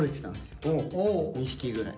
２匹ぐらい。